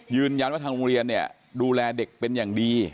ยืนยันว่าทางโรงเรียนเนี่ยดูแลเด็กเป็นอย่างดี